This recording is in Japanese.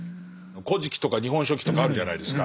「古事記」とか「日本書紀」とかあるじゃないですか。